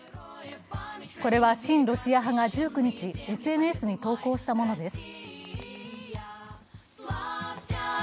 これは親ロシア派が１９日、ＳＮＳに投稿したものです。